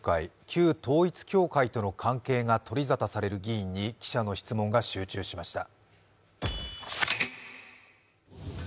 旧統一教会との関係が取り沙汰される議員に記者の質問が集中しました。